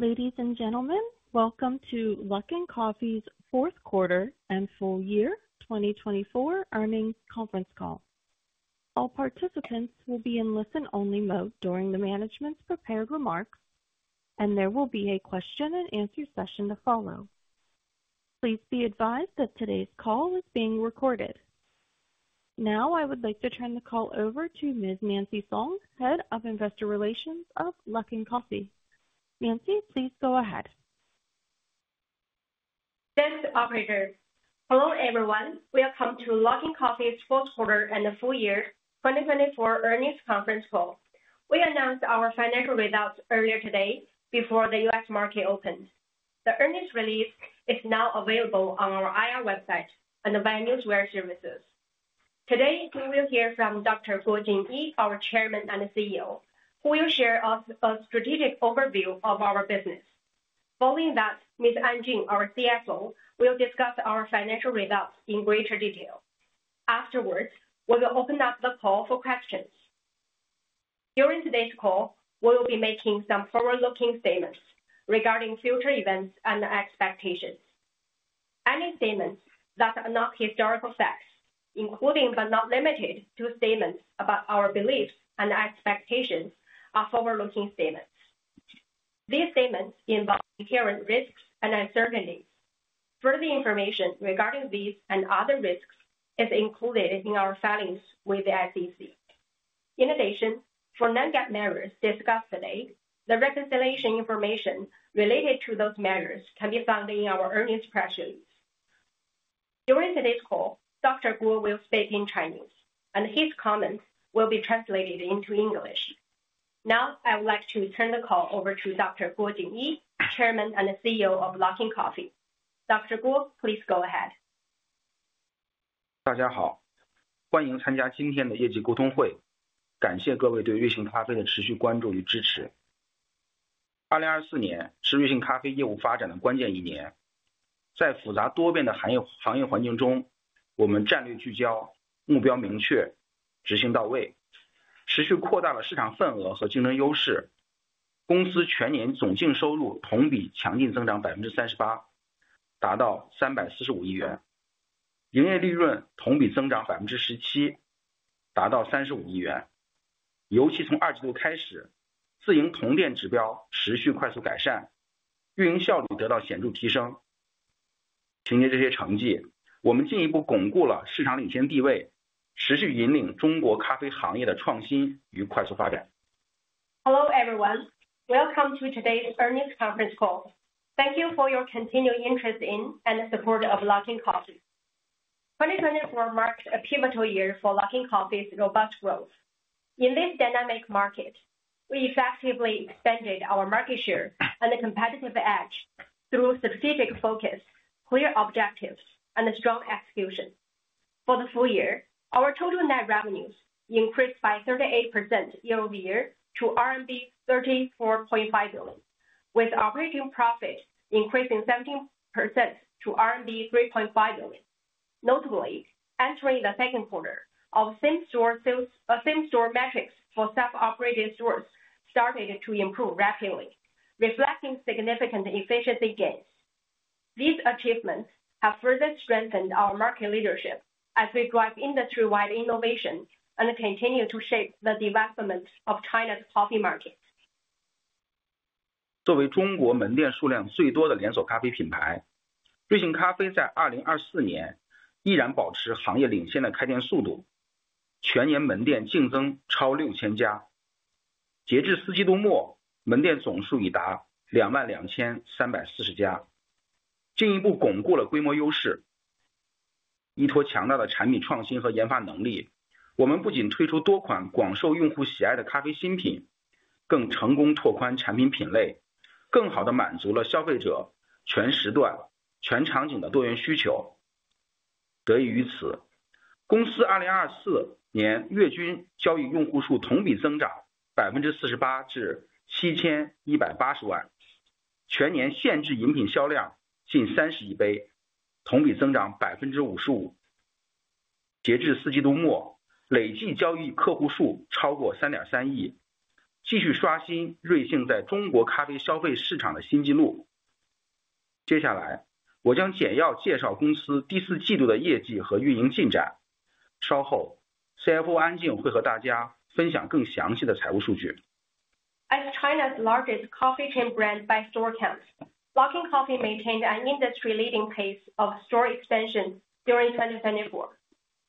Ladies and gentlemen, welcome to Luckin Coffee's Q4 and full year 2024 earnings conference call. All participants will be in listen-only mode during the management's prepared remarks, and there will be a question-and-answer session to follow. Please be advised that today's call is being recorded. Now, I would like to turn the call over to Ms. Nancy Song, Head of Investor Relations of Luckin Coffee. Nancy, please go ahead. Thanks, operator. Hello, everyone. Welcome to Luckin Coffee's Q4 and the full year 2024 earnings conference call. We announced our financial results earlier today before the U.S. market opened. The earnings release is now available on our IR website and the Business Wire services. Today, we will hear from Dr. Guo Jinyi, our Chairman and CEO, who will share a strategic overview of our business. Following that, Ms. An Jing, our CFO, will discuss our financial results in greater detail. Afterwards, we will open up the call for questions. During today's call, we will be making some forward-looking statements regarding future events and expectations. Any statements that are not historical facts, including but not limited to statements about our beliefs and expectations, are forward-looking statements. These statements involve inherent risks and uncertainties. Further information regarding these and other risks is included in our filings with the SEC. In addition, for Non-GAAP measures discussed today, the reconciliation information related to those measures can be found in our earnings press release. During today's call, Dr. Guo will speak in Chinese, and his comments will be translated into English. Now, I would like to turn the call over to Dr. Guo Jinyi, Chairman and CEO of Luckin Coffee. Dr. Guo, please go ahead. Hello, everyone. Welcome to today's earnings conference call. Thank you for your continued interest in and support of Luckin Coffee. 2024 marked a pivotal year for Luckin Coffee's robust growth. In this dynamic market, we effectively expanded our market share and the competitive edge through strategic focus, clear objectives, and strong execution. For the full year, our total net revenues increased by 38% year-over-year to RMB 34.5 billion, with operating profit increasing 17% to RMB 3.5 billion. Notably, entering the Q2, our same-store metrics for self-operated stores started to improve rapidly, reflecting significant efficiency gains. These achievements have further strengthened our market leadership as we drive industry-wide innovation and continue to shape the development of China's coffee market. 作为中国门店数量最多的连锁咖啡品牌，瑞幸咖啡在2024年依然保持行业领先的开店速度，全年门店竞争超6,000家。截至四季度末，门店总数已达22,340家，进一步巩固了规模优势。依托强大的产品创新和研发能力，我们不仅推出多款广受用户喜爱的咖啡新品，更成功拓宽产品品类，更好地满足了消费者全时段、全场景的多元需求。得益于此，公司2024年月均交易用户数同比增长48%至7,180万，全年限制饮品销量近30亿杯，同比增长55%。截至四季度末，累计交易客户数超过3.3亿，继续刷新瑞幸在中国咖啡消费市场的新纪录。接下来，我将简要介绍公司第四季度的业绩和运营进展。稍后，CFO安静会和大家分享更详细的财务数据。As China's largest coffee chain brand by store count, Luckin Coffee maintained an industry-leading pace of store expansion during 2024,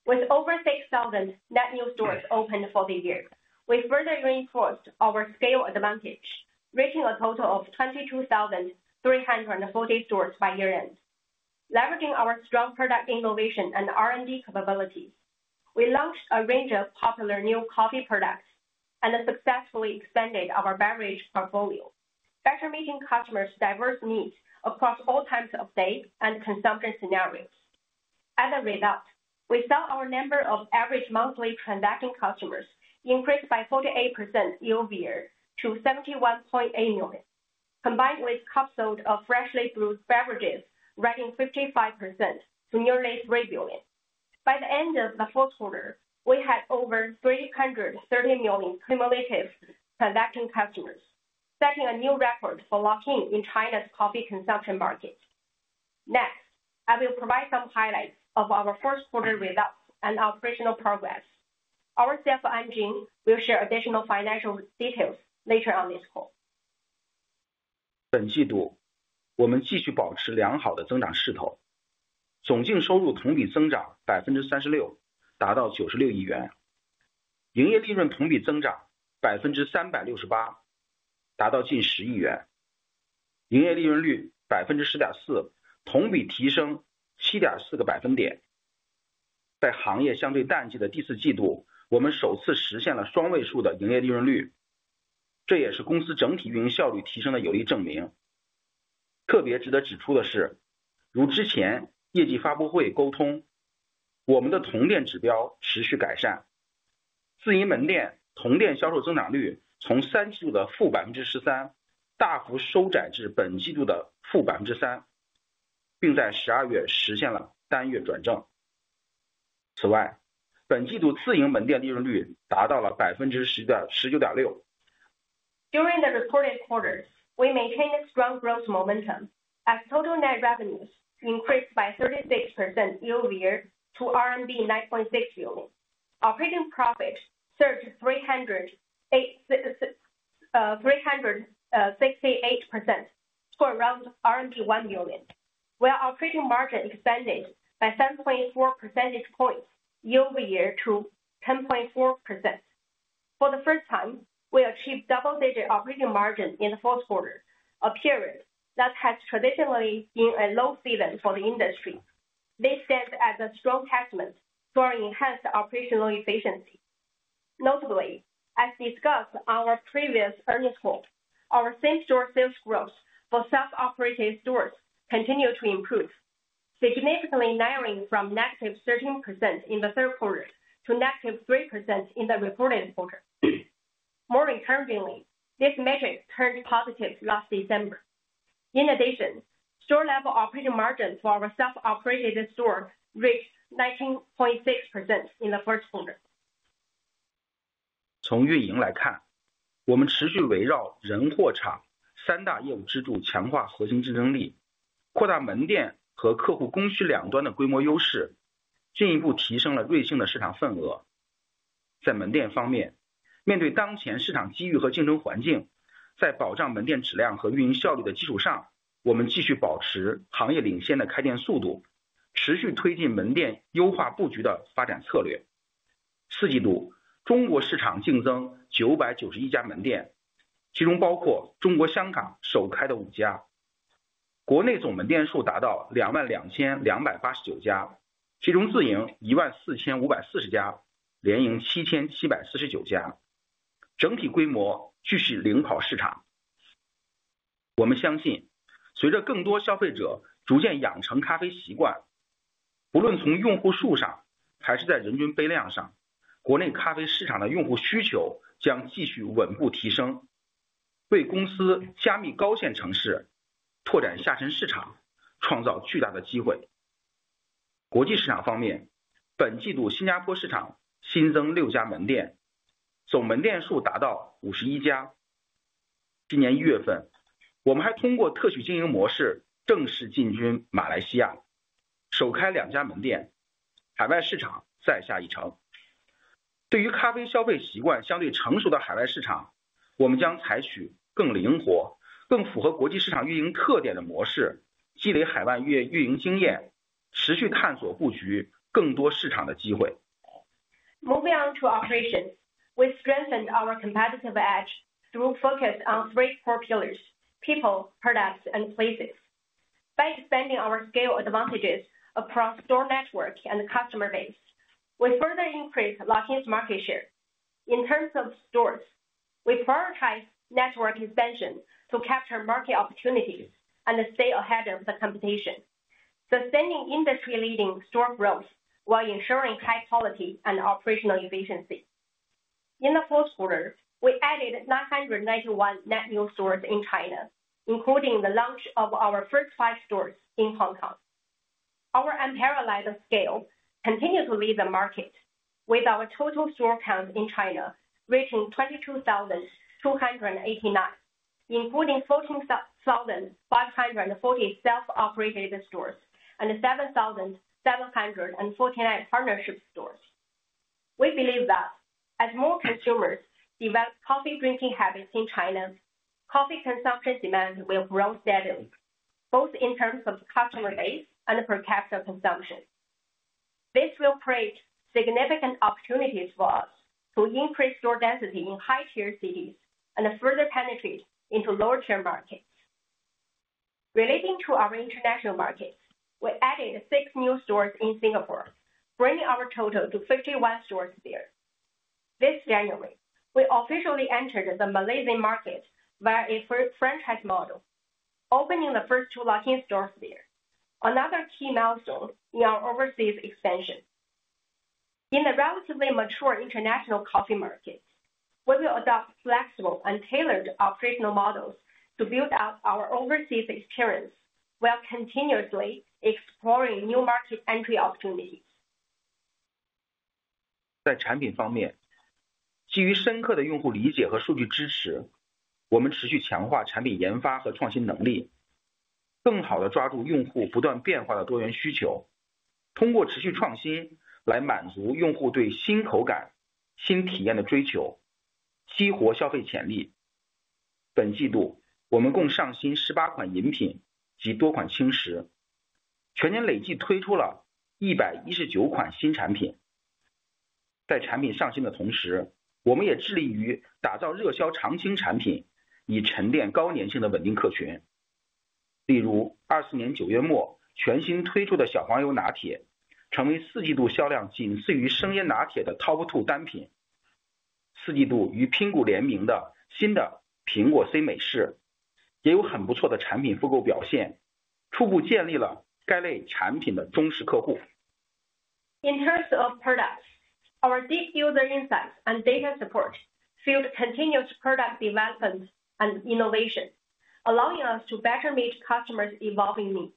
with over 6,000 net new stores opened for the year. We further reinforced our scale advantage, reaching a total of 22,340 stores by year-end. Leveraging our strong product innovation and R&D capabilities, we launched a range of popular new coffee products and successfully expanded our beverage portfolio, better meeting customers' diverse needs across all times of day and consumption scenarios. As a result, we saw our number of average monthly transacting customers increase by 48% year-over-year to 71.8 million, combined with cups sold of freshly brewed beverages rising 55% to nearly 3 billion. By the end of the Q4, we had over 330 million cumulative transacting customers, setting a new record for Luckin in China's coffee consumption market. Next, I will provide some highlights of our Q1 results and operational progress. Our CFO, An Jing, will share additional financial details later on this call. During the reported quarters, we maintained a strong growth momentum as total net revenues increased by 36% year-over-year to RMB 9.6 billion. Operating profit surged 368% to around 1 billion, while operating margin expanded by 7.4 percentage points year-over-year to 10.4%. For the first time, we achieved double-digit operating margin in the Q4, a period that has traditionally been a low season for the industry. This stands as a strong testament to our enhanced operational efficiency. Notably, as discussed on our previous earnings call, our same-store sales growth for self-operated stores continued to improve, significantly narrowing from negative 13% in the Q3 to negative 3% in the reported quarter. More encouragingly, this metric turned positive last December. In addition, store-level operating margin for our self-operated store reached 19.6% in the Q1. Moving on to operations, we strengthened our competitive edge through focus on three core pillars: people, products, and places. By expanding our scale advantages across store network and customer base, we further increased Luckin's market share. In terms of stores, we prioritized network expansion to capture market opportunities and stay ahead of the competition, sustaining industry-leading store growth while ensuring high quality and operational efficiency. In the Q4, we added 991 net new stores in China, including the launch of our first five stores in Hong Kong. Our unparalleled scale continues to lead the market, with our total store count in China reaching 22,289, including 14,540 self-operated stores and 7,749 partnership stores. We believe that as more consumers develop coffee drinking habits in China, coffee consumption demand will grow steadily, both in terms of customer base and per capita consumption. This will create significant opportunities for us to increase store density in high-tier cities and further penetrate into lower-tier markets. Relating to our international markets, we added six new stores in Singapore, bringing our total to 51 stores there. This January, we officially entered the Malaysian market via a franchise model, opening the first two Luckin stores there, another key milestone in our overseas expansion. In the relatively mature international coffee market, we will adopt flexible and tailored operational models to build out our overseas experience while continuously exploring new market entry opportunities. In terms of products, our deep user insights and data support fueled continuous product development and innovation, allowing us to better meet customers' evolving needs.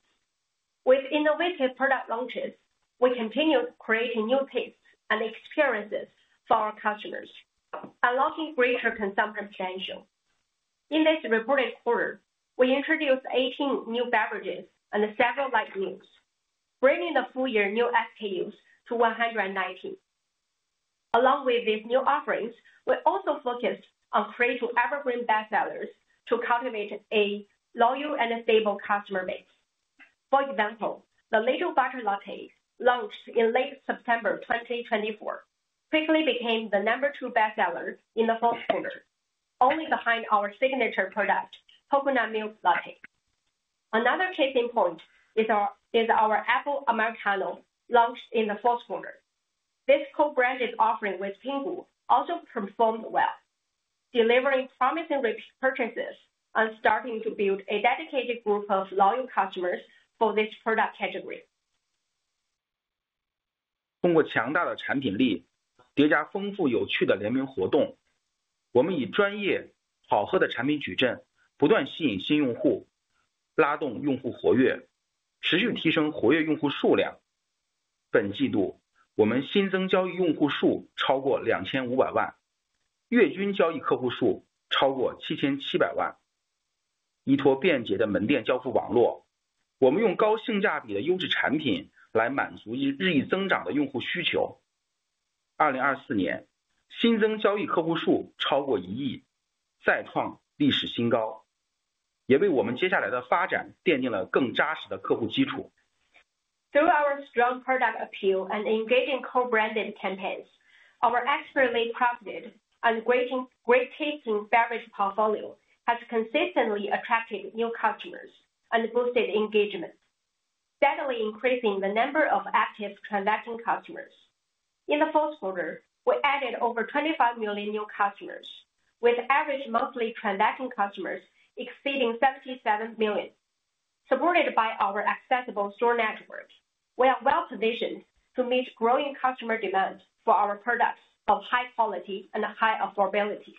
With innovative product launches, we continue to create new tastes and experiences for our customers, unlocking greater consumption potential. In this reported quarter, we introduced 18 new beverages and several light meals, bringing the full year new SKUs to 119. Along with these new offerings, we also focused on creating evergreen bestsellers to cultivate a loyal and stable customer base. For example, the Little Butter Latte, launched in late September 2024, quickly became the number two bestseller in the Q4, only behind our signature product, Coconut Milk Latte. Another case in point is our Apple Americano, launched in the Q4. This co-branded offering with Apple also performed well, delivering promising purchases and starting to build a dedicated group of loyal customers for this product category. 通过强大的产品力，叠加丰富有趣的联名活动，我们以专业好喝的产品矩阵不断吸引新用户，拉动用户活跃，持续提升活跃用户数量。本季度，我们新增交易用户数超过2,500万，月均交易客户数超过7,700万。依托便捷的门店交付网络，我们用高性价比的优质产品来满足日益增长的用户需求。2024年，新增交易客户数超过1亿，再创历史新高，也为我们接下来的发展奠定了更扎实的客户基础。Through our strong product appeal and engaging co-branded campaigns, our expertly crafted and great-tasting beverage portfolio has consistently attracted new customers and boosted engagement, steadily increasing the number of active transacting customers. In the Q4, we added over 25 million new customers, with average monthly transacting customers exceeding 77 million. Supported by our accessible store network, we are well positioned to meet growing customer demand for our products of high quality and high affordability.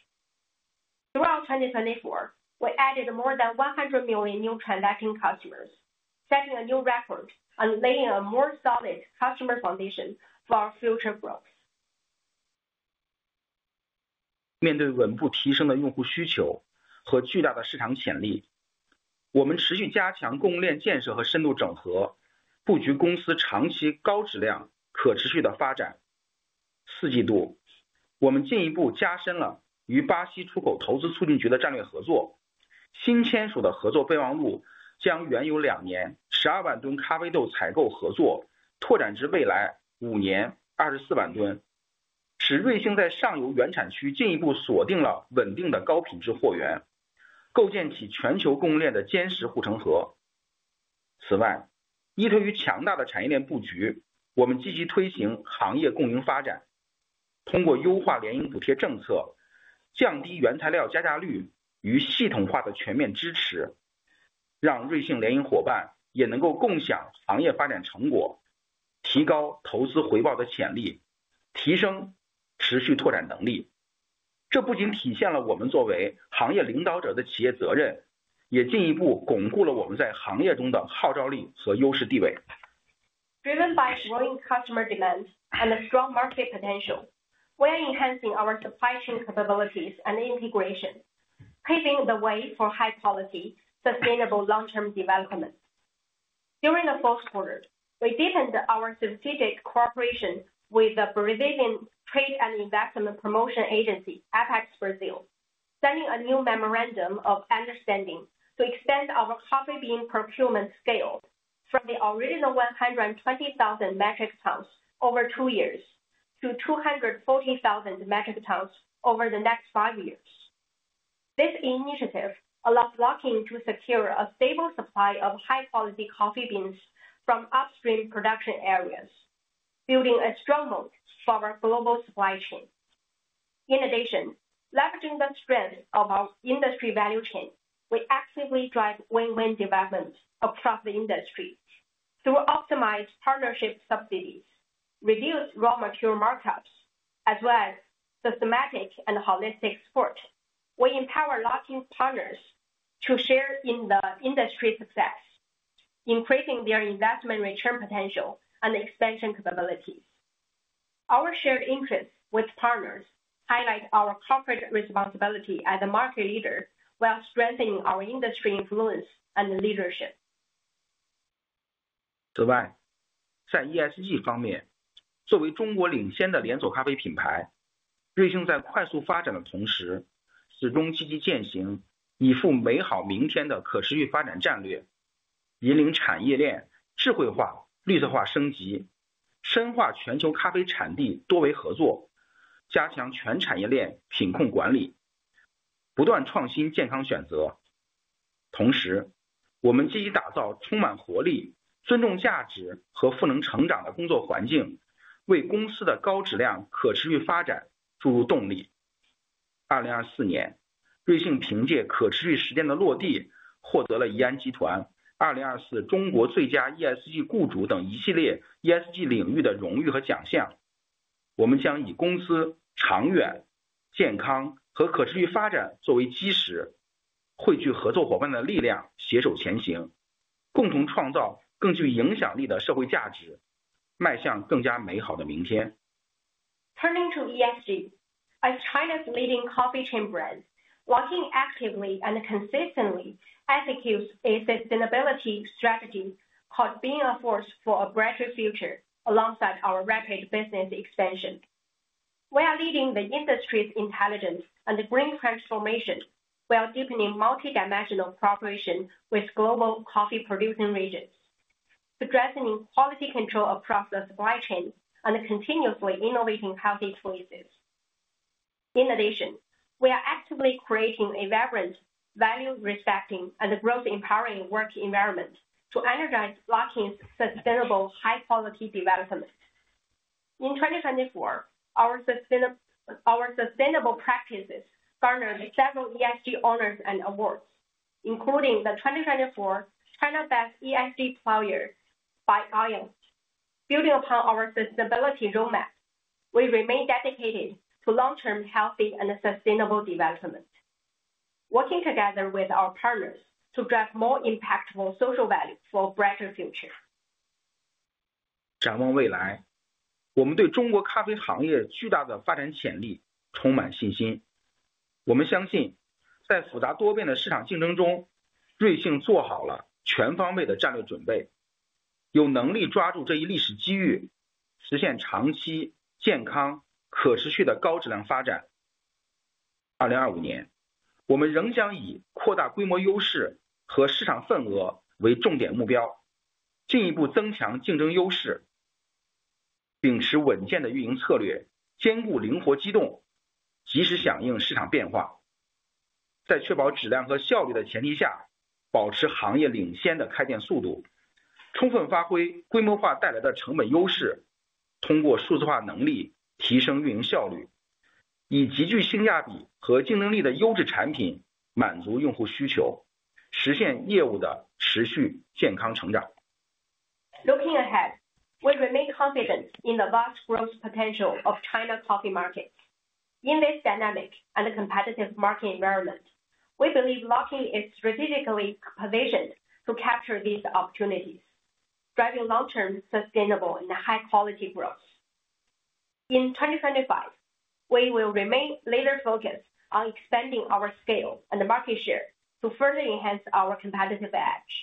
Throughout 2024, we added more than 100 million new transacting customers, setting a new record and laying a more solid customer foundation for our future growth. Driven by growing customer demand and strong market potential, we are enhancing our supply chain capabilities and integration, paving the way for high-quality, sustainable long-term development. During the Q4, we deepened our strategic cooperation with the Brazilian trade and investment promotion agency, APEX Brazil, signing a new memorandum of understanding to expand our coffee bean procurement scale from the original 120,000 metric tons over two years to 240,000 metric tons over the next five years. This initiative allows Luckin to secure a stable supply of high-quality coffee beans from upstream production areas, building a strong moat for our global supply chain. In addition, leveraging the strength of our industry value chain, we actively drive win-win development across the industry through optimized partnership subsidies, reduced raw material markups, as well as systematic and holistic support. We empower Luckin partners to share in the industry success, increasing their investment return potential and expansion capabilities. Our shared interests with partners highlight our corporate responsibility as a market leader while strengthening our industry influence and leadership. 此外，在 ESG ESG 雇主等一系列 ESG 领域的荣誉和奖项。我们将以公司长远、健康和可持续发展作为基石，汇聚合作伙伴的力量携手前行，共同创造更具影响力的社会价值，迈向更加美好的明天。Turning to ESG, as China's leading coffee chain brand, Luckin actively and consistently executes a sustainability strategy called "Being a Force for a Brighter Future" alongside our rapid business expansion. We are leading the industry's intelligence and green transformation while deepening multidimensional cooperation with global coffee-producing regions, strengthening quality control across the supply chain, and continuously innovating healthy choices. In addition, we are actively creating a vibrant, value-respecting, and growth-empowering work environment to energize Luckin's sustainable high-quality development. In 2024, our sustainable practices garnered several ESG honors and awards, including the 2024 China Best ESG Player by Aon. Building upon our sustainability roadmap, we remain dedicated to long-term healthy and sustainable development, working together with our partners to drive more impactful social value for a brighter future. Looking ahead, we remain confident in the vast growth potential of China's coffee market. In this dynamic and competitive market environment, we believe Luckin is strategically positioned to capture these opportunities, driving long-term sustainable and high-quality growth. In 2025, we will remain laser-focused on expanding our scale and market share to further enhance our competitive edge.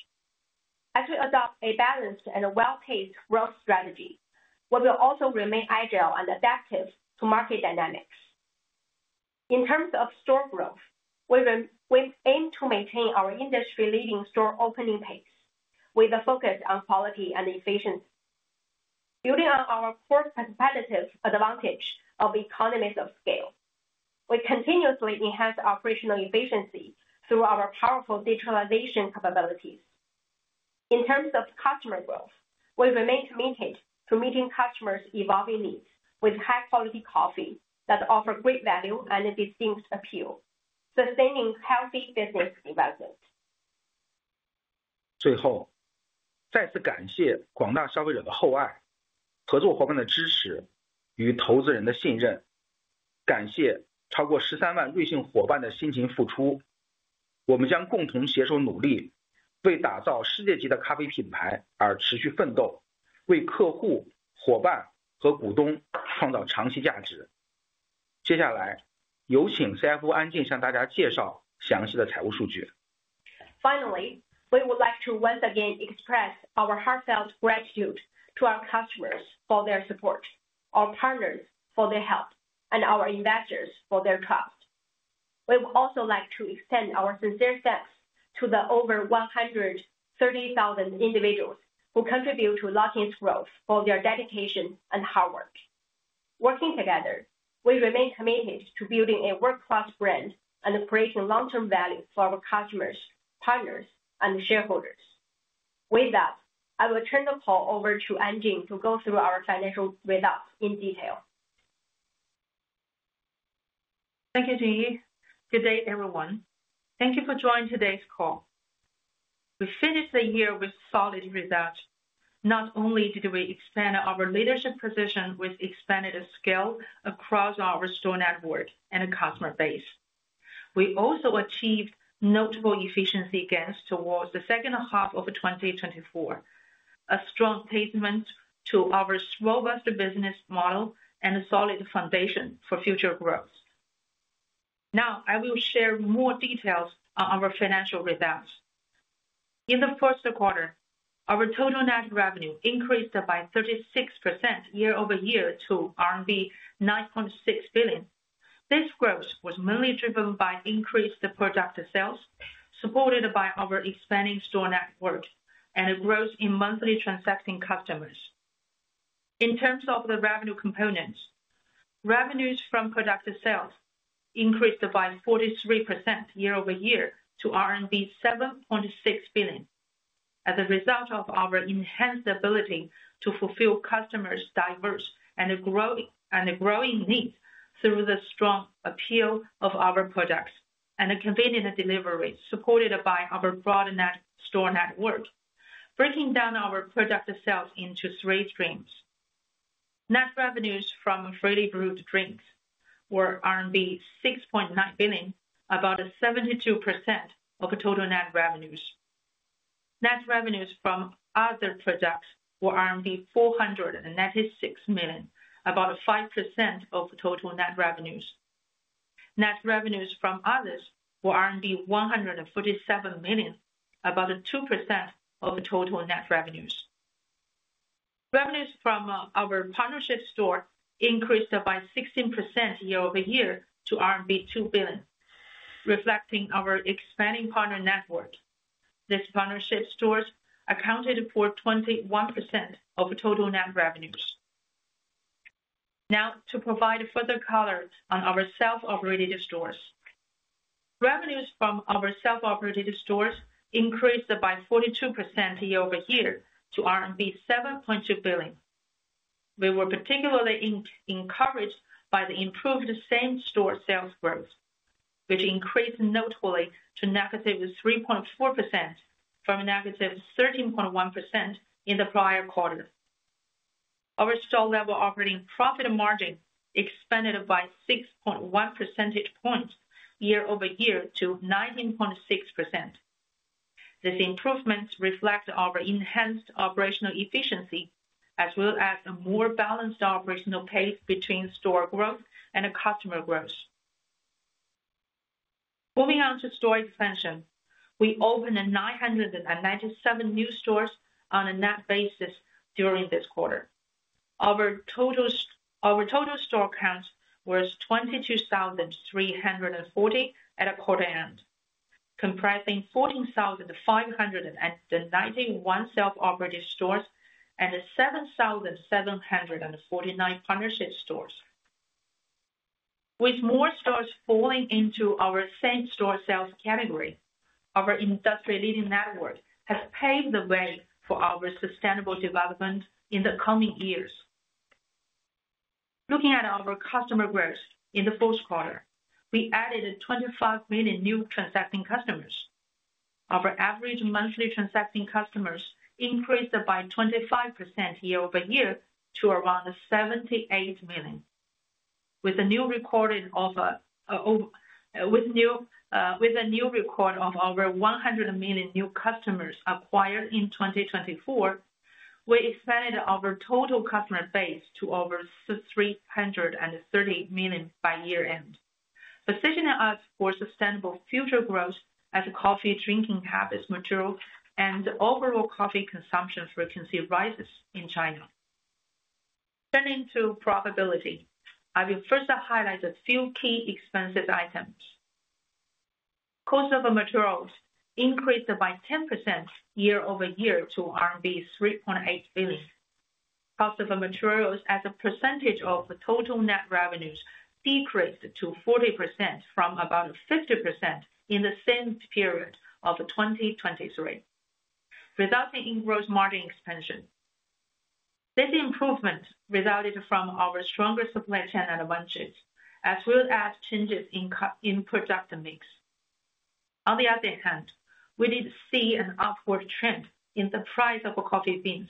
As we adopt a balanced and well-paced growth strategy, we will also remain agile and adaptive to market dynamics. In terms of store growth, we aim to maintain our industry-leading store opening pace, with a focus on quality and efficiency. Building on our core competitive advantage of economies of scale, we continuously enhance operational efficiency through our powerful digitalization capabilities. In terms of customer growth, we remain committed to meeting customers' evolving needs with high-quality coffee that offers great value and a distinct appeal, sustaining healthy business development. 最后，再次感谢广大消费者的厚爱、合作伙伴的支持与投资人的信任。感谢超过13万瑞幸伙伴的辛勤付出。我们将共同携手努力，为打造世界级的咖啡品牌而持续奋斗，为客户、伙伴和股东创造长期价值。接下来，有请 CFO An Jing 向大家介绍详细的财务数据。Finally, we would like to once again express our heartfelt gratitude to our customers for their support, our partners for their help, and our investors for their trust. We would also like to extend our sincere thanks to the over 130,000 individuals who contribute to Luckin's growth for their dedication and hard work. Working together, we remain committed to building a world-class brand and creating long-term value for our customers, partners, and shareholders. With that, I will turn the call over to An Jing to go through our financial results in detail. Thank you, Jing. Good day, everyone. Thank you for joining today's call. We finished the year with solid results. Not only did we expand our leadership position, we expanded the scale across our store network and customer base. We also achieved notable efficiency gains toward the H2 of 2024, a strong statement to our robust business model and a solid foundation for future growth. Now, I will share more details on our financial results. In the Q4, our total net revenue increased by 36% year over year to RMB 9.6 billion. This growth was mainly driven by increased product sales, supported by our expanding store network, and a growth in monthly transacting customers. In terms of the revenue components, revenues from product sales increased by 43% year over year to RMB 7.6 billion as a result of our enhanced ability to fulfill customers' diverse and growing needs through the strong appeal of our products and convenient delivery supported by our broad store network, breaking down our product sales into three streams. Net revenues from freshly brewed drinks were RMB 6.9 billion, about 72% of total net revenues. Net revenues from other products were RMB 496 million, about 5% of total net revenues. Net revenues from others were 147 million, about 2% of total net revenues. Revenues from our partnership stores increased by 16% year over year to RMB 2 billion, reflecting our expanding partner network. This partnership stores accounted for 21% of total net revenues. Now, to provide further color on our self-operated stores, revenues from our self-operated stores increased by 42% year over year to RMB 7.2 billion. We were particularly encouraged by the improved same-store sales growth, which increased notably to -3.4% from -13.1% in the prior quarter. Our store-level operating profit margin expanded by 6.1 percentage points year over year to 19.6%. These improvements reflect our enhanced operational efficiency as well as a more balanced operational pace between store growth and customer growth. Moving on to store expansion, we opened 997 new stores on a net basis during this quarter. Our total store count was 22,340 at quarter end, comprising 14,591 self-operated stores and 7,749 partnership stores. With more stores falling into our same-store sales category, our industry-leading network has paved the way for our sustainable development in the coming years. Looking at our customer growth in the Q4, we added 25 million new transacting customers. Our average monthly transacting customers increased by 25% year over year to around 78 million. With a new record of our 100 million new customers acquired in 2024, we expanded our total customer base to over 330 million by year-end, positioning us for sustainable future growth as coffee drinking habits mature and overall coffee consumption frequency rises in China. Turning to profitability, I will first highlight a few key expense items. Cost of materials increased by 10% year over year to RMB 3.8 billion. Cost of materials as a percentage of total net revenues decreased to 40% from about 50% in the same period of 2023, resulting in gross margin expansion. This improvement resulted from our stronger supply chain advantages as well as changes in product mix. On the other hand, we did see an upward trend in the price of coffee beans,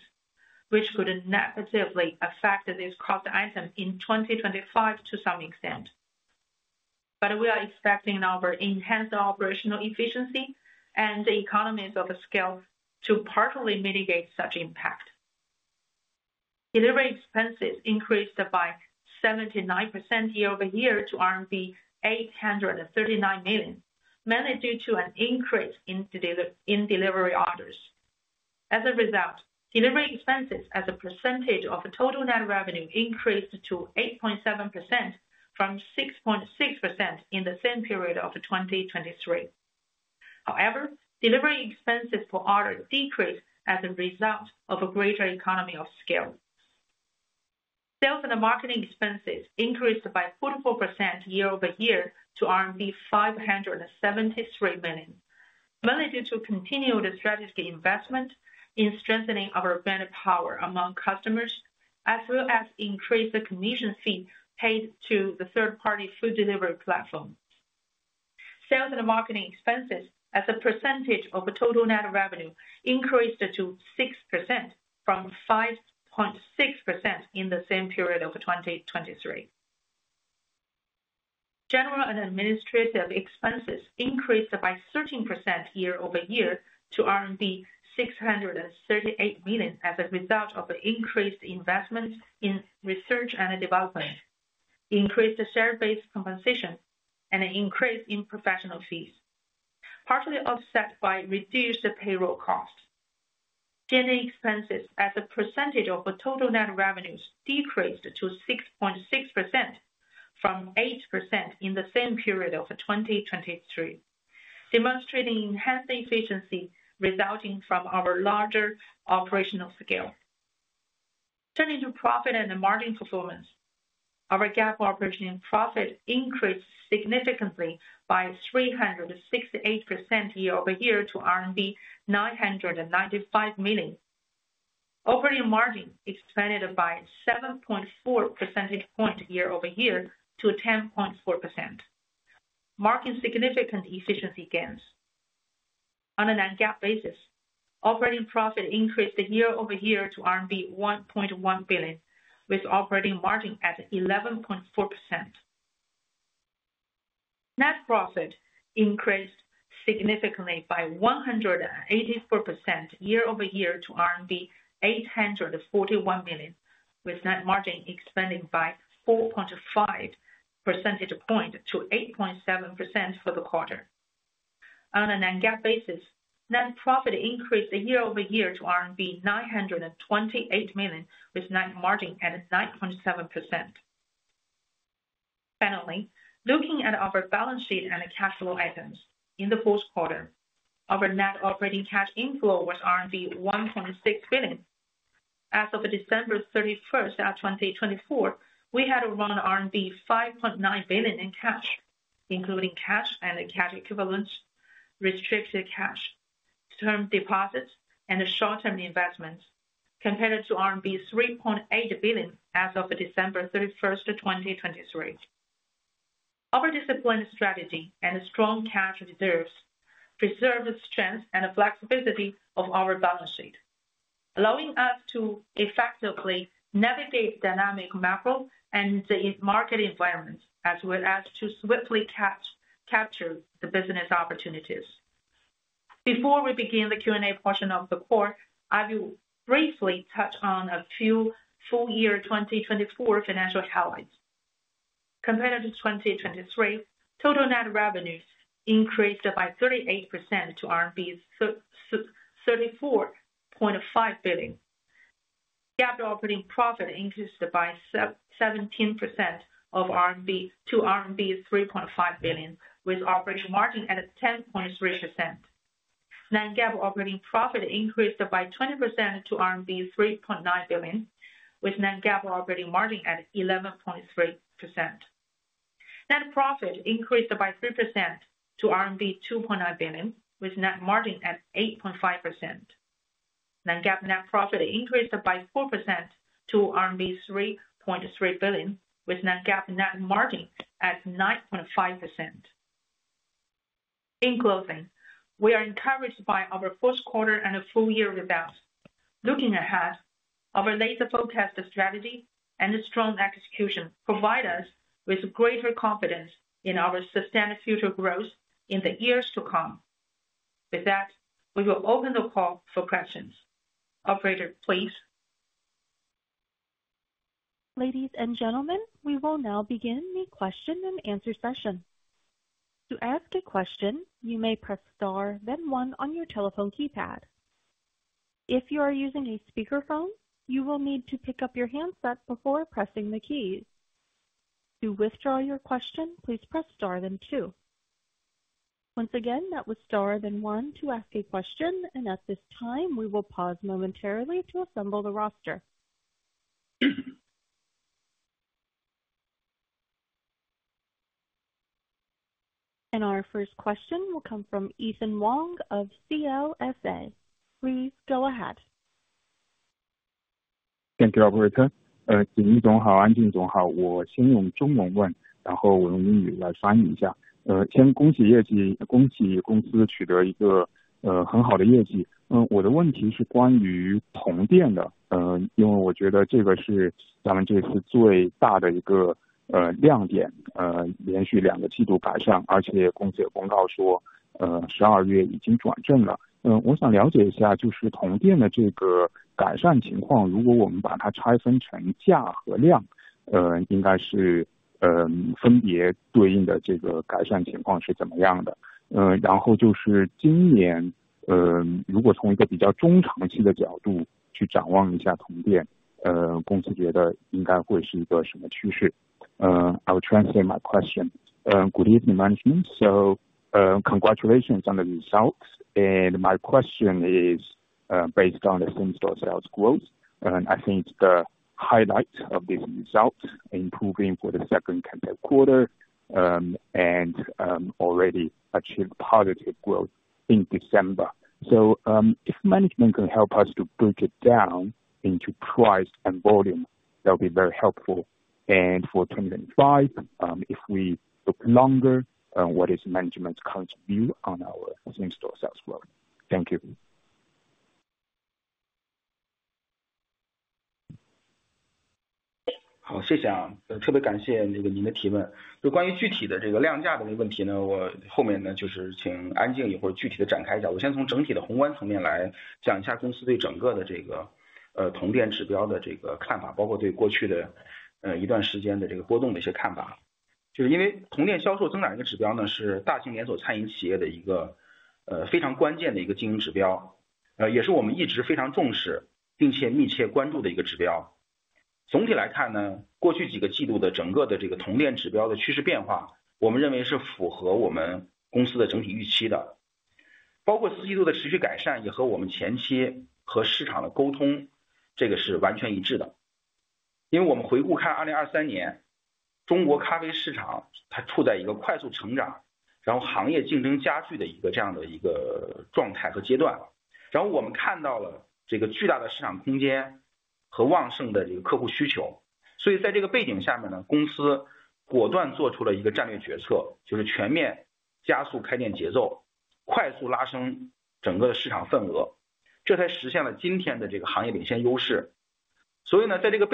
which could negatively affect this cost item in 2025 to some extent. But we are expecting our enhanced operational efficiency and the economies of scale to partially mitigate such impact. Delivery expenses increased by 79% year over year to RMB 839 million, mainly due to an increase in delivery orders. As a result, delivery expenses as a percentage of total net revenue increased to 8.7% from 6.6% in the same period of 2023. However, delivery expenses per order decreased as a result of a greater economy of scale. Sales and marketing expenses increased by 44% year over year to RMB 573 million, mainly due to continued strategic investment in strengthening our brand power among customers as well as increased commission fee paid to the third-party food delivery platform. Sales and marketing expenses as a percentage of total net revenue increased to 6% from 5.6% in the same period of 2023. General and administrative expenses increased by 13% year over year to RMB 638 million as a result of increased investment in research and development, increased share-based compensation, and an increase in professional fees, partially offset by reduced payroll costs. G&A expenses as a percentage of total net revenues decreased to 6.6% from 8% in the same period of 2023, demonstrating enhanced efficiency resulting from our larger operational scale. Turning to profit and margin performance, our GAAP operating profit increased significantly by 368% year over year to RMB 995 million. Operating margin expanded by 7.4 percentage points year over year to 10.4%, marking significant efficiency gains. On a non-GAAP basis, operating profit increased year over year to RMB 1.1 billion, with operating margin at 11.4%. Net profit increased significantly by 184% year over year to RMB 841 million, with net margin expanding by 4.5 percentage points to 8.7% for the quarter. On a net GAAP basis, net profit increased year over year to RMB 928 million, with net margin at 9.7%. Finally, looking at our balance sheet and cash flow items, in the Q4, our net operating cash inflow was RMB 1.6 billion. As of December 31, 2024, we had around RMB 5.9 billion in cash, including cash and cash equivalents, restricted cash, term deposits, and short-term investments, compared to RMB 3.8 billion as of December 31, 2023. Our disciplined strategy and strong cash reserves preserve the strength and flexibility of our balance sheet, allowing us to effectively navigate dynamic macro and market environments as well as to swiftly capture the business opportunities. Before we begin the Q&A portion of the quarter, I will briefly touch on a few full-year 2024 financial highlights. Compared to 2023, total net revenues increased by 38% to 34.5 billion. GAAP operating profit increased by 17% to RMB 3.5 billion, with operating margin at 10.3%. Non-GAAP operating profit increased by 20% to RMB 3.9 billion, with Non-GAAP operating margin at 11.3%. Net profit increased by 3% to RMB 2.9 billion, with net margin at 8.5%. Non-GAAP net profit increased by 4% to RMB 3.3 billion, with Non-GAAP net margin at 9.5%. In closing, we are encouraged by our Q4 and full-year results. Looking ahead, our latest forecast strategy and strong execution provide us with greater confidence in our sustained future growth in the years to come. With that, we will open the call for questions. Operator, please. Ladies and gentlemen, we will now begin the question-and-answer session. To ask a question, you may press star, then 1 on your telephone keypad. If you are using a speakerphone, you will need to pick up your handset before pressing the keys. To withdraw your question, please press star, then 2. Once again, that was star, then 1 to ask a question. At this time, we will pause momentarily to assemble the roster. Our first question will come from Ethan Wong of CLSA. Please go ahead. Thank you, Operator. I will translate my question. Good evening, management. Congratulations on the results. And my question is based on the same-store sales growth. And I think the highlight of this result is improving for the Q2 and already achieved positive growth in December. So, if management can help us to break it down into price and volume, that would be very helpful. And for 2025, if we look longer, what is management's current view on our same-store sales growth? Thank you. Thank you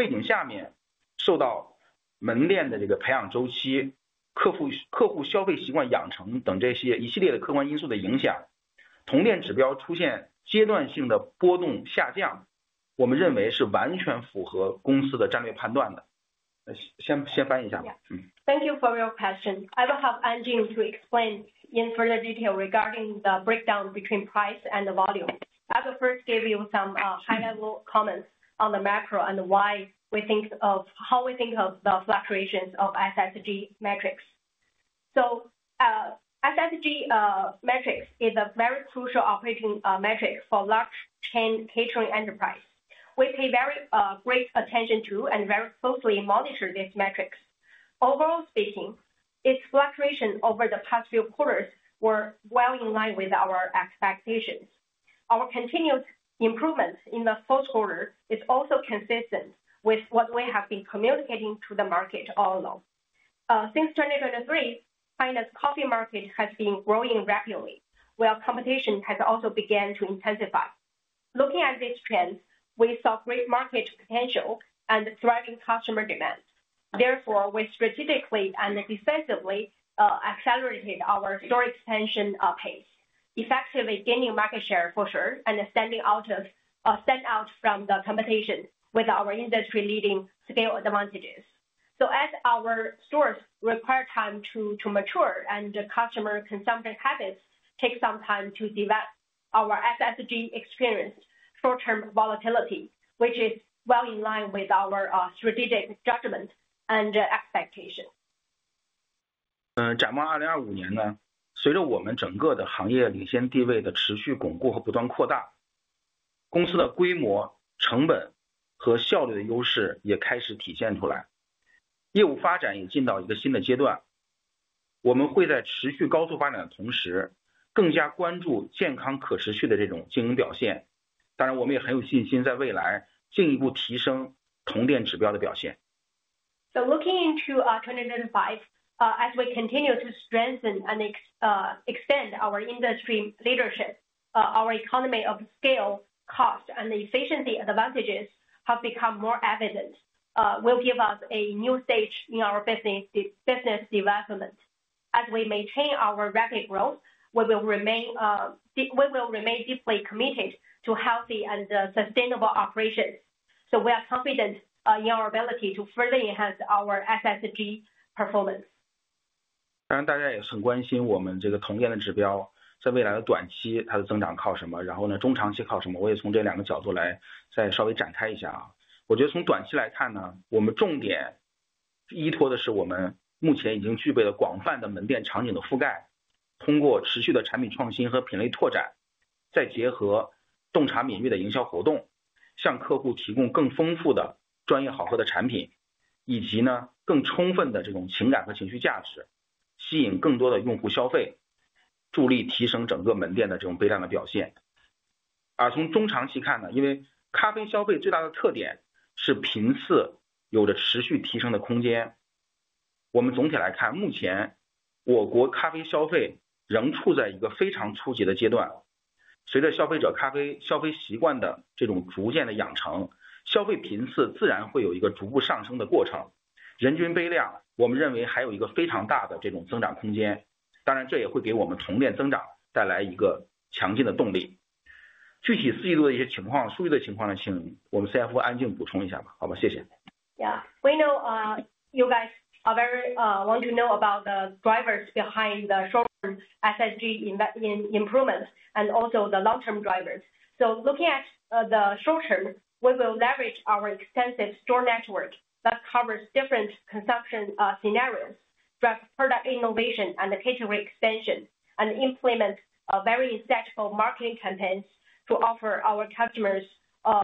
for your question. I will have An Jing to explain in further detail regarding the breakdown between price and the volume. I will first give you some high-level comments on the macro and why we think of how we think of the fluctuations of SSG metrics. SSG metrics is a very crucial operating metric for large chain catering enterprise. We pay very great attention to and very closely monitor these metrics. Overall speaking, its fluctuation over the past few quarters were well in line with our expectations. Our continued improvement in the Q4 is also consistent with what we have been communicating to the market all along. Since 2023, China's coffee market has been growing rapidly, while competition has also begun to intensify. Looking at this trend, we saw great market potential and thriving customer demand. Therefore, we strategically and decisively accelerated our store expansion pace, effectively gaining market share for sure and standing out from the competition with our industry-leading scale advantages. So, as our stores require time to mature and customer consumption habits take some time to develop, our SSG experienced short-term volatility, which is well in line with our strategic judgment and expectation. 展望2025年，随着我们整个的行业领先地位的持续巩固和不断扩大，公司的规模、成本和效率的优势也开始体现出来。业务发展也进到一个新的阶段。我们会在持续高速发展的同时，更加关注健康可持续的这种经营表现。当然，我们也很有信心在未来进一步提升同店指标的表现。So, looking into 2025, as we continue to strengthen and expand our industry leadership, our economy of scale, cost, and efficiency advantages have become more evident. Will give us a new stage in our business development. As we maintain our rapid growth, we will remain deeply committed to healthy and sustainable operations. So, we are confident in our ability to further enhance our SSG performance. Yeah. We know you guys are very want to know about the drivers behind the short-term SSG improvement and also the long-term drivers. So, looking at the short-term, we will leverage our extensive store network that covers different consumption scenarios, drive product innovation and catering expansion, and implement very insightful marketing campaigns to offer our customers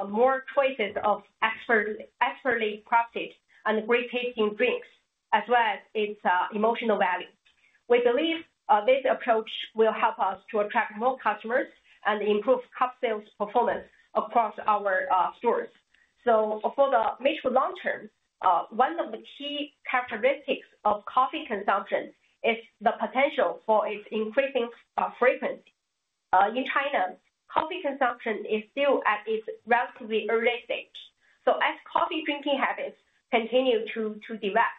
more choices of expertly crafted and great tasting drinks as well as its emotional value. We believe this approach will help us to attract more customers and improve cup sales performance across our stores. So, for the mid to long term, one of the key characteristics of coffee consumption is the potential for its increasing frequency. In China, coffee consumption is still at its relatively early stage. So, as coffee drinking habits continue to develop,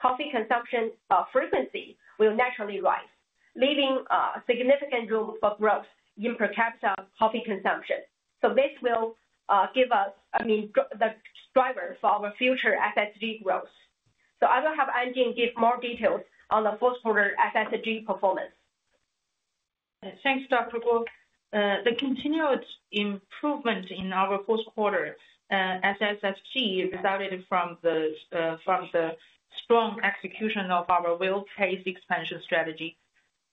coffee consumption frequency will naturally rise, leaving significant room for growth in per capita coffee consumption. So, this will give us, I mean, the driver for our future SSG growth. So, I will have An Jing give more details on the Q4 SSG performance. Thanks, Doctor Guo. The continued improvement in our Q4 SSG resulted from the strong execution of our well-paced expansion strategy.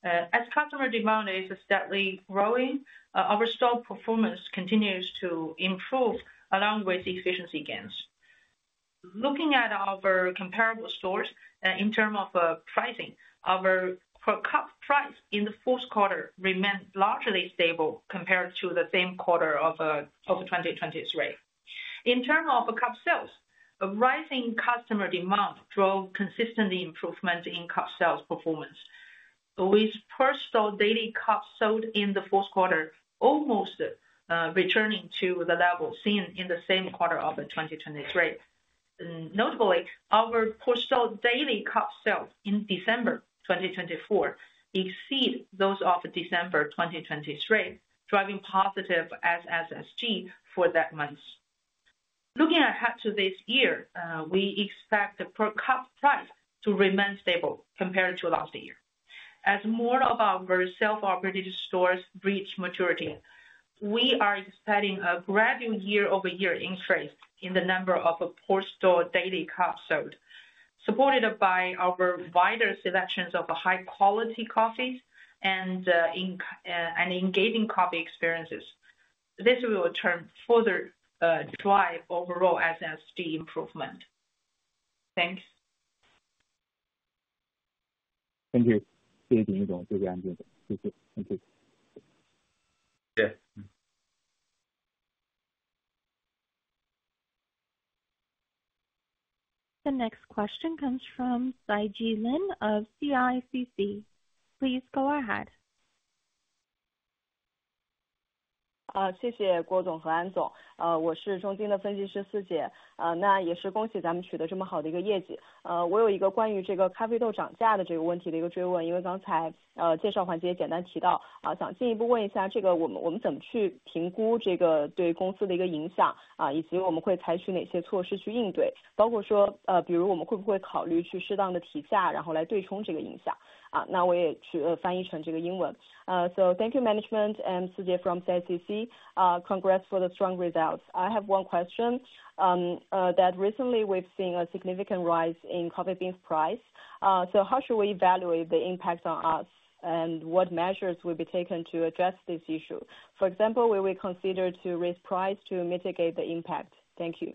As customer demand is steadily growing, our store performance continues to improve along with efficiency gains. Looking at our comparable stores in terms of pricing, our per cup price in the Q4 remained largely stable compared to the same quarter of 2023. In terms of cup sales, rising customer demand drove consistent improvement in cup sales performance, with per-store daily cups sold in the Q4 almost returning to the level seen in the same quarter of 2023. Notably, our per-store daily cup sales in December 2024 exceed those of December 2023, driving positive SSSG for that month. Looking ahead to this year, we expect the per cup price to remain stable compared to last year. As more of our self-operated stores reach maturity, we are expecting a gradual year-over-year increase in the number of per store daily cups sold, supported by our wider selections of high-quality coffees and engaging coffee experiences. This will turn further drive overall SSG improvement. Thanks. Thank you. Thank you. The next question comes from Sijie Lin of CICC. Please go ahead. 谢谢郭总和安总。我是中金的分析师子林。那也是恭喜咱们取得这么好的一个业绩。我有一个关于这个咖啡豆涨价的这个问题的一个追问。因为刚才介绍环节也简单提到，想进一步问一下，这个我们怎么去评估这个对公司的一个影响，以及我们会采取哪些措施去应对，包括说比如我们会不会考虑去适当的提价，然后来对冲这个影响。那我也翻译成这个英文。So, thank you, management. I'm CJ from CICC. Congrats for the strong results. I have one question. Recently we've seen a significant rise in coffee beans price. So, how should we evaluate the impact on us, and what measures will be taken to address this issue? For example, will we consider to raise price to mitigate the impact? Thank you.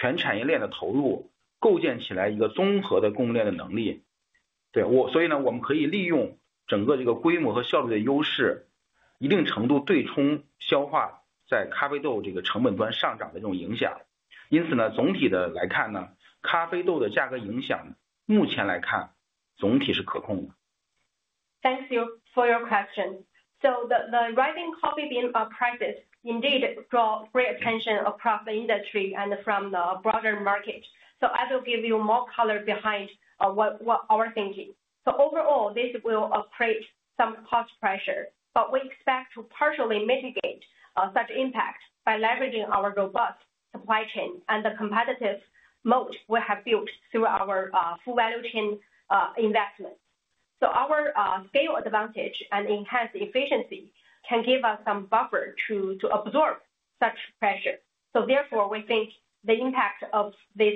Thank you for your question. So, the rising coffee bean prices indeed draw great attention across the industry and from the broader market. So, I will give you more color behind what our thinking. So, overall, this will create some cost pressure, but we expect to partially mitigate such impact by leveraging our robust supply chain and the competitive moat we have built through our full value chain investments. So, our scale advantage and enhanced efficiency can give us some buffer to absorb such pressure. So, therefore, we think the impact of this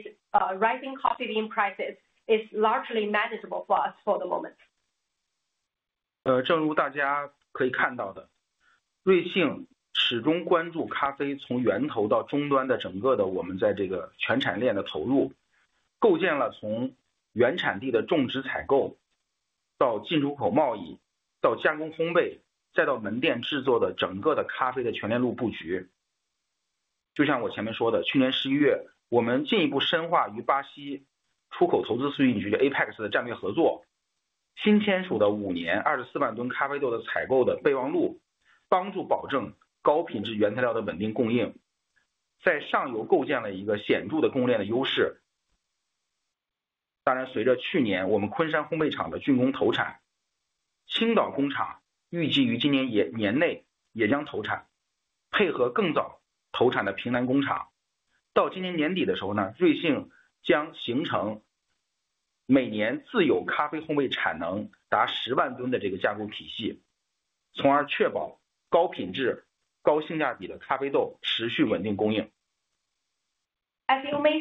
rising coffee bean prices is largely manageable for us for the moment. As you may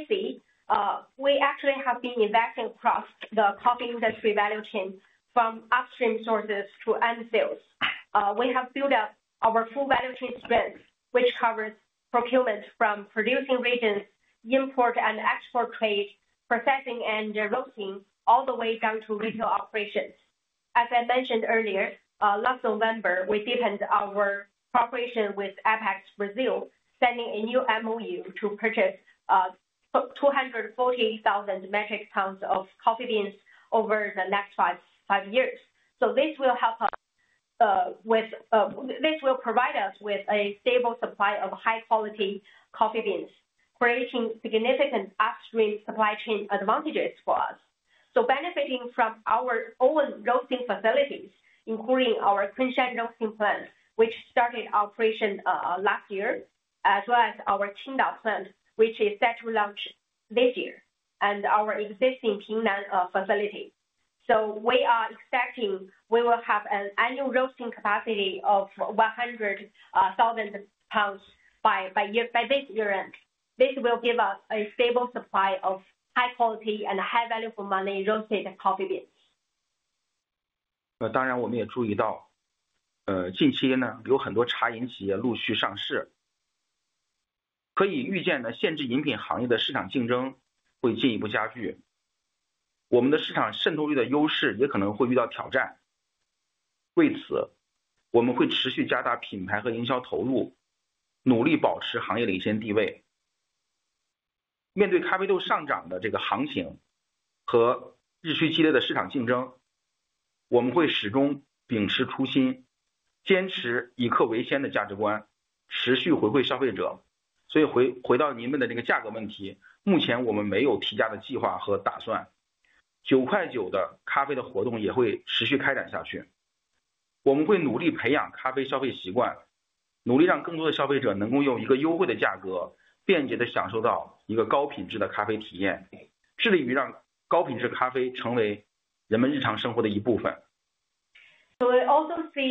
see, we actually have been investing across the coffee industry value chain from upstream sources to end sales. We have built up our full value chain strength, which covers procurement from producing regions, import and export trade, processing and roasting, all the way down to retail operations. As I mentioned earlier, last November we deepened our cooperation with APEX Brazil, signing a new MOU to purchase 240,000 metric tons of coffee beans over the next five years. This will provide us with a stable supply of high-quality coffee beans, creating significant upstream supply chain advantages for us. Benefiting from our own roasting facilities, including our Kunshan roasting plant, which started operation last year, as well as our Qingdao plant, which is set to launch this year, and our existing Pingnan facility. We are expecting we will have an annual roasting capacity of 100,000 lbs by this year. This will give us a stable supply of high-quality and high-value-for-money roasted coffee beans. We also see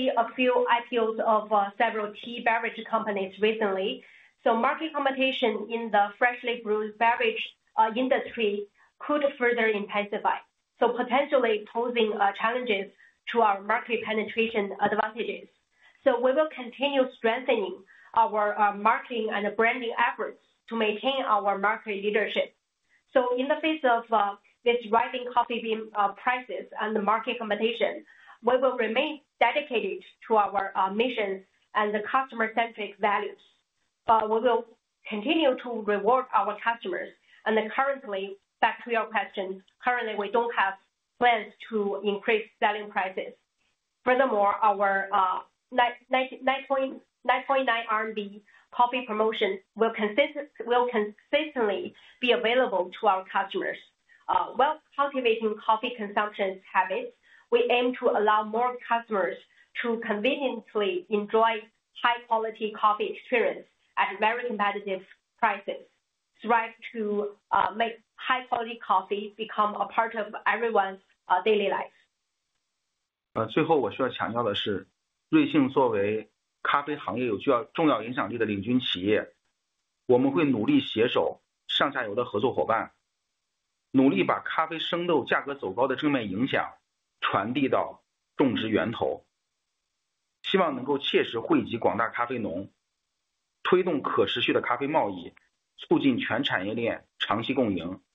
a few IPOs of several tea beverage companies recently. Market competition in the freshly brewed beverage industry could further intensify, potentially posing challenges to our market penetration advantages. We will continue strengthening our marketing and branding efforts to maintain our market leadership. In the face of this rising coffee bean prices and the market competition, we will remain dedicated to our mission and the customer-centric values. We will continue to reward our customers. Currently, back to your question, we don't have plans to increase selling prices. Furthermore, our 9.9 RMB coffee promotion will consistently be available to our customers. While cultivating coffee consumption habits, we aim to allow more customers to conveniently enjoy high-quality coffee experience at very competitive prices. We strive to make high-quality coffee become a part of everyone's daily life. 最后我需要强调的是，瑞幸作为咖啡行业有重要影响力的领军企业，我们会努力携手上下游的合作伙伴，努力把咖啡生豆价格走高的正面影响传递到种植源头，希望能够切实惠及广大咖啡农，推动可持续的咖啡贸易，促进全产业链长期共赢和健康发展。谢谢。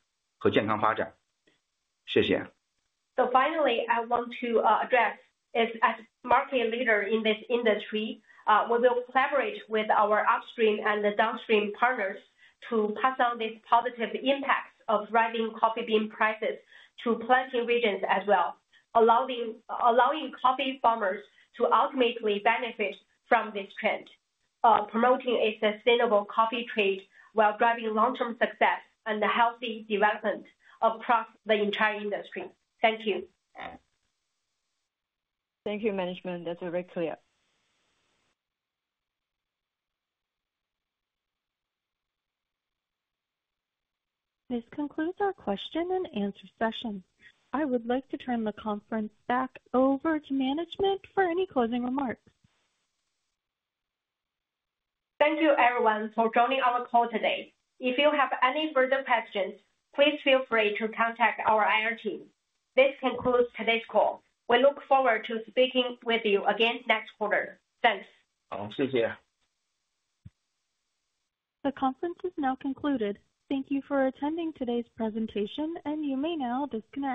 Finally, I want to address, as market leader in this industry, we will collaborate with our upstream and downstream partners to pass on this positive impact of rising coffee bean prices to planting regions as well, allowing coffee farmers to ultimately benefit from this trend, promoting a sustainable coffee trade while driving long-term success and healthy development across the entire industry. Thank you. Thank you, management. That's very clear. This concludes our question and answer session. I would like to turn the conference back over to management for any closing remarks. Thank you, everyone, for joining our call today. If you have any further questions, please feel free to contact our IR team. This concludes today's call. We look forward to speaking with you again next quarter. Thanks. 好，谢谢。The conference is now concluded. Thank you for attending today's presentation, and you may now disconnect.